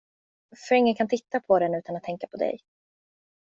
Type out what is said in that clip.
För ingen kan titta på den utan att tänka på dig.